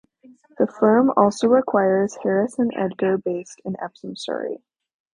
The firm also acquired Harris and Edgar based in Epsom Surrey.